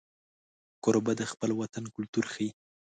کوربه د خپل وطن کلتور ښيي.